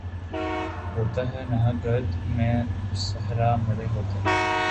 ہوتا ہے نہاں گرد میں صحرا مرے ہوتے